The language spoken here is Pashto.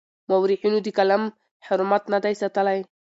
مورخينو د قلم حرمت نه دی ساتلی.